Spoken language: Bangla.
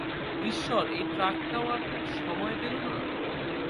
ঈশ্বর, এই ট্রাকটাও আর সময় পেলো না!